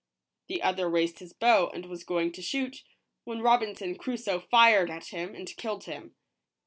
The other raised his bow and was going to shoot, when Robinson Crusoe fired at him and killed him.